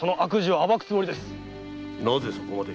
なぜそこまで？